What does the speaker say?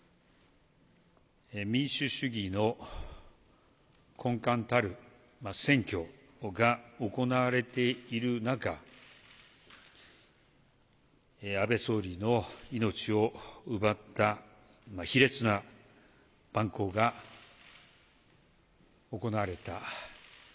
民主主義の根幹たる選挙が行われている中、安倍総理の命を奪った卑劣な蛮行が行われた。